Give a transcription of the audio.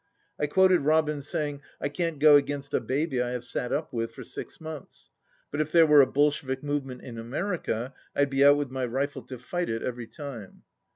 I quoted Robins' saying, "I can't go against a baby I have sat up with for six months. But if there were a Bolshevik movement in America I'd be out with my rifle to fight it every time."